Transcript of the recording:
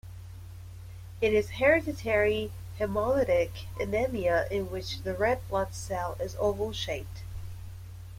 It is hereditary haemolytic anaemia in which the red blood cell is oval-shaped.